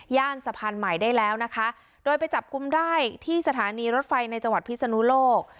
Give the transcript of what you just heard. สะพานใหม่ได้แล้วนะคะโดยไปจับกลุ่มได้ที่สถานีรถไฟในจังหวัดพิศนุโลก